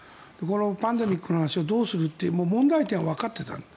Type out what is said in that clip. パンデミックの話をどうするという問題点はわかっていた。